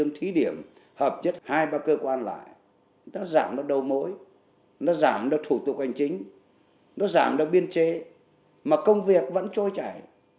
nó giảm được thủ tục hành chính nó giảm được biên chế mà công việc vẫn trôi chảy